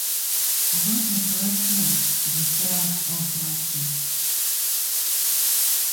‘There’s a gate here,’ replied old Wardle.